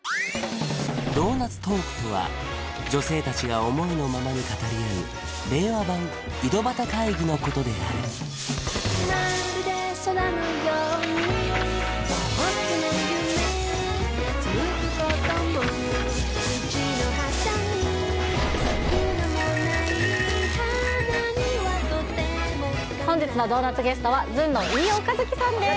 ドーナツトークとは女性達が思いのままに語り合う令和版井戸端会議のことである本日のドーナツゲストはずんの飯尾和樹さんです